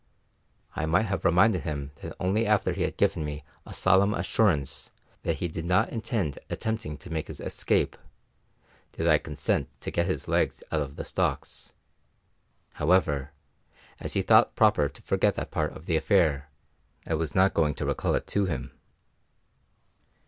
I might have reminded him that only after he had given me a solemn assurance that he did not intend attempting to make his escape, did I consent to get his legs out of the stocks. However, as he thought proper to forget that part of the affair I was not going to recall it to him.